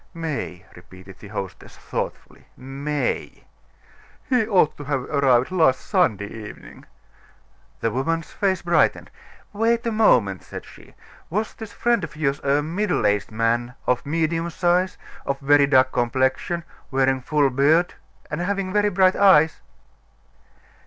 "May!" repeated the hostess, thoughtfully. "May!" "He ought to have arrived last Sunday evening." The woman's face brightened. "Wait a moment," said she. "Was this friend of yours a middle aged man, of medium size, of very dark complexion wearing a full beard, and having very bright eyes?"